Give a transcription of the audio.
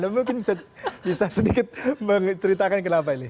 mungkin bisa sedikit menceritakan kenapa ini